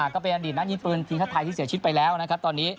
ก็เป็นอดีตนักยิงปืนทีมชาติไทยที่เสียชีวิตไปแล้วนะครับตอนนี้